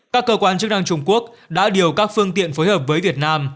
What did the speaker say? các cơ quan chức năng trung quốc đã điều các phương tiện phối hợp với việt nam